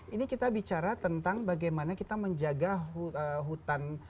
ini kita bicara tentang bagaimana kita menjaga hutan